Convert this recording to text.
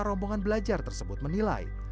rombongan belajar tersebut menilai